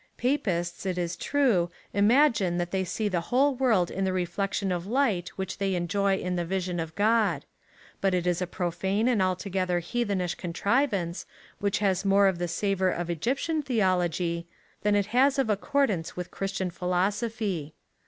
Papists, it is true, ima gine, that they see the whole world in the reflection of light which they enjoy in the vision of God ; but it is a profane and altogether heathenish contrivance, which has more of the savour of Egyptian theology,^ than it has of accordance with Christian philosophy.